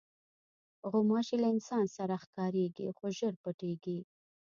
غوماشې له انسان سره ښکارېږي، خو ژر پټېږي.